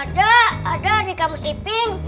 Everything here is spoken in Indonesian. ada ada di kamus eping